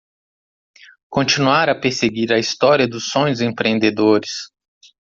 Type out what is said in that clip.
Continuar a perseguir a história dos sonhos empreendedores